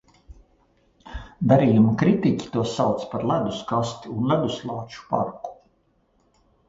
"Darījuma kritiķi to sauca par "ledus kasti" un "leduslāču parku"."